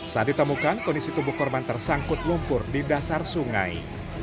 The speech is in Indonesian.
saat ditemukan kondisi tubuh korban tersangkut lumpur di dasar sungai